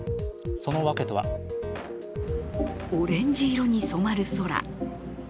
そのわけとはオレンジ色に染まる空。